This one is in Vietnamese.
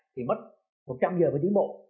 thì mất một trăm linh giờ với tiến bộ